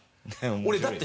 俺だって。